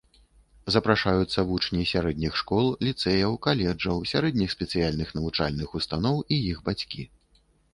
Запрашаюцца вучні сярэдніх школ, ліцэяў, каледжаў, сярэдніх спецыяльных навучальных устаноў і іх бацькі.